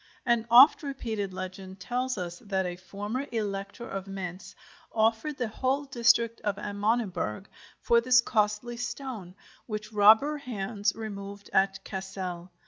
An oft repeated legend tells us that a former Elector of Mainz offered the whole district of Amöneberg for this costly stone, which robber hands removed at Cassel.